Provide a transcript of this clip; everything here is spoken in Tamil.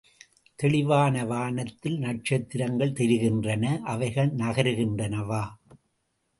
தெளிவான வானத்தில் நட்சத்திரங்கள் தெரிகின்றன! அவைகள் நகருகின்றனவா?